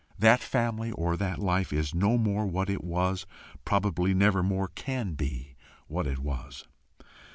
That family or that life is no more what it was probably never more can be what it was.